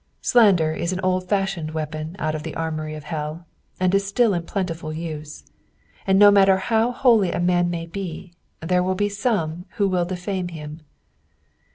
Blander is an old fashioned weapon out of the armoury of hell, and is still in plentiful use ; and no matter how holy a man may be, there will be some who will defame bim.